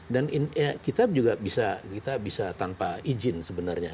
dan kita juga bisa tanpa izin sebenarnya